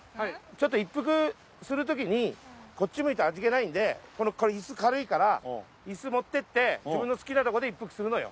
ょっと一服する時にこっち向いて味気ないんでのイス軽いからイス持ってって分の好きな所で一服するのよ